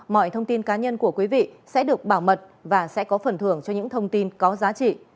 mọi thông tin cá nhân của quý vị sẽ được bảo mật và sẽ có phần thưởng cho những thông tin có giá trị